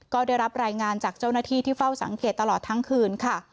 ก็ได้รับรายงานจากเจ้าหน้าที่ที่เฝ้าสังเกตตลอดทั้งคืนค่ะ